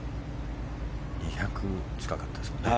２００近かったですから。